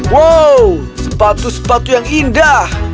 wow sepatu sepatu yang indah